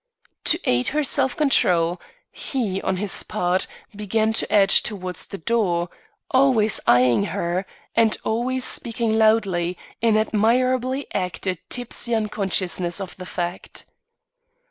To aid her self control, he, on his part, began to edge towards the door, always eyeing her and always speaking loudly in admirably acted tipsy unconsciousness of the fact.